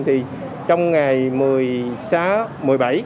trong ngày một mươi sáu một mươi bảy